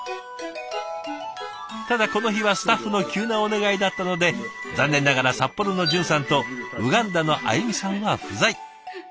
ただこの日はスタッフの急なお願いだったので残念ながら札幌の淳さんとウガンダのあゆみさんは不在。